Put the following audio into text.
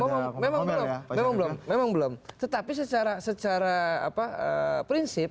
memang belum memang belum memang belum memang belum memang belum memang belum tetapi secara secara apa prinsip